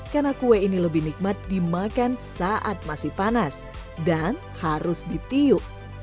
karena kue ini lebih nikmat dimakan saat masih panas dan harus ditiup